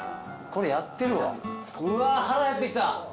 うわ腹減ってきた。